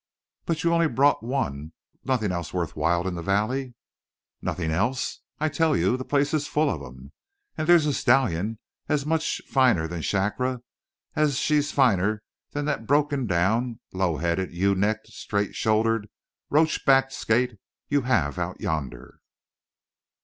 "But you only brought one; nothing else worth while in the valley?" "Nothing else? I tell you, the place is full of 'em! And there's a stallion as much finer than Shakra as she's finer than that broken down, low headed, ewe necked, straight shouldered, roach backed skate you have out yonder!"